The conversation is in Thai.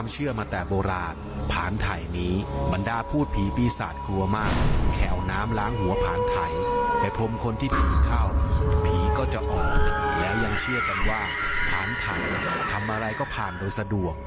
เพราะว่าท้านไข่ทำอะไรก็ผ่านโดยสะดวก